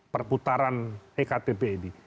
perputaran ektp ini